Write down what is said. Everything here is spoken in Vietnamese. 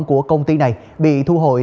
của công ty này bị thu hồi